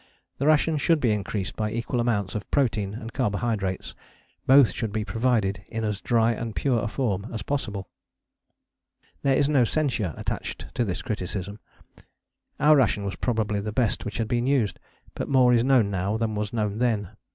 The ration should be increased by equal amounts of protein and carbohydrates; both should be provided in as dry and pure a form as possible. There is no censure attached to this criticism. Our ration was probably the best which has been used: but more is known now than was known then.